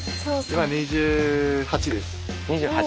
今２８です。